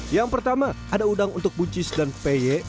yang pertama ada udang untuk buncis dan peye